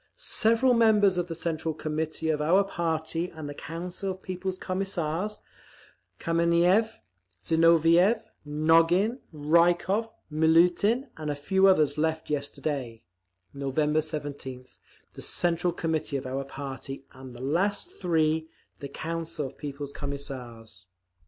Several members of the Central Committee of our party and the Council of People's Commissars, Kameniev, Zinoviev, Nogin, Rykov, Miliutin and a few others left yesterday, November 17th, the Central Committee of our party, and the last three, the Council of People's Commissars….